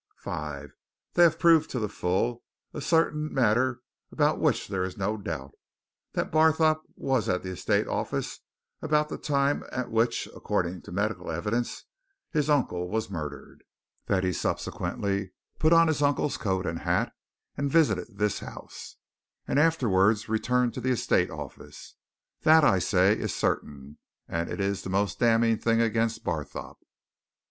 "5. They have proved to the full a certain matter about which there is no doubt that Barthorpe was at the estate office about the time at which, according to medical evidence, his uncle was murdered, that he subsequently put on his uncle's coat and hat and visited this house, and afterwards returned to the estate office. That, I say, is certain and it is the most damning thing against Barthorpe.